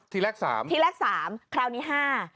ทีแรกสามทีแรกสามคราวนี้ห้า